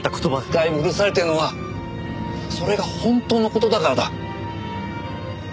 使い古されてるのはそれが本当の事だからだ。